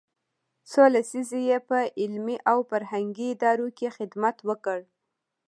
څو لسیزې یې په علمي او فرهنګي ادارو کې خدمت وکړ.